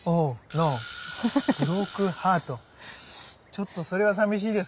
ちょっとそれはさみしいですね。